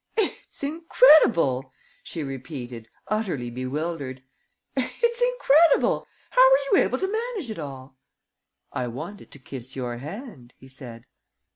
"It's incredible!" she repeated, utterly bewildered. "It's incredible! How were you able to manage it all?" "I wanted to kiss your hand," he said.